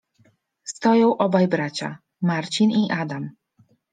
Stoją obaj bracia: Marcin i Adam.